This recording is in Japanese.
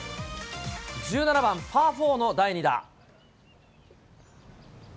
１７番、パー４の第２打。